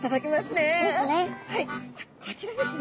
あっこちらですね。